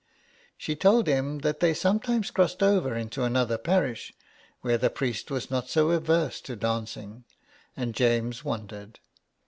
She told him that they some times crossed over into another parish where the priest was not so averse to dancing, and James won dered.